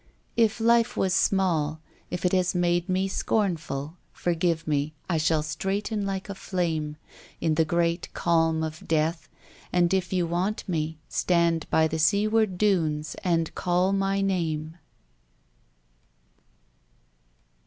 If life was small, if it has made me scornful, Forgive me; I shall straighten like a flame In the great calm of death, and if you want me Stand on the sea ward dunes and call my name.